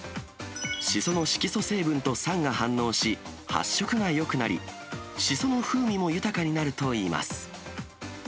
しその色素成分と酸が反応し、発色がよくなり、しその風味も豊かになるといいます。